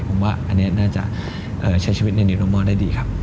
ผมว่าอันนี้น่าจะใช้ชีวิตในนิโรมอลได้ดีครับ